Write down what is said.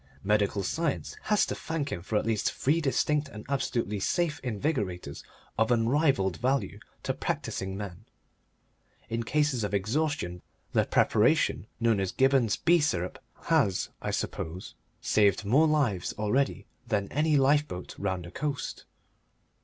Medical science has to thank him for at least three distinct and absolutely safe invigorators of unrivalled value to practising men. In cases of exhaustion the preparation known as Gibberne's B Syrup has, I suppose, saved more lives already than any lifeboat round the coast.